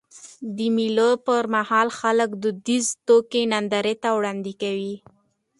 د مېلو پر مهال خلک دودیزي توکي نندارې ته وړاندي کوي.